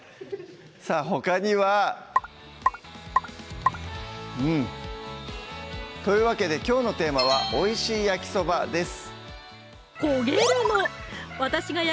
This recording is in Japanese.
さぁほかにはうんというわけできょうのテーマは「おいしい焼きそば」です